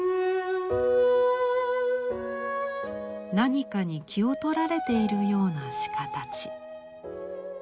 何かに気を取られているような鹿たち。